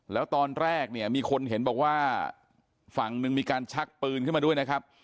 แล้วตอนแรกเนี่ยมีคนเห็นบอกว่าฝั่งหนึ่งมีการชักปืนขึ้นมาด้วยนะครับ